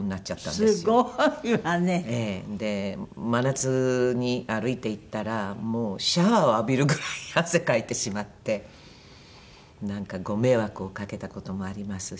で真夏に歩いて行ったらもうシャワーを浴びるぐらい汗かいてしまってなんかご迷惑をかけた事もありますし。